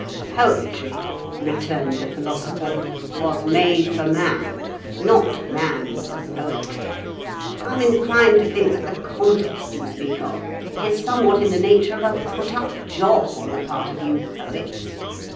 "Poetry," returned the Philosopher, "was made for man, not man for poetry. I am inclined to think that the contest you speak of is somewhat in the nature of a 'put up job' on the part of you poets.